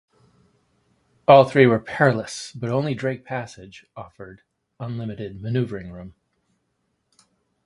All three were perilous, but only Drake Passage offered unlimited maneuvering room.